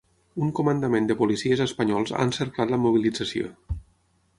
Un comandament de policies espanyols ha encerclat la mobilització.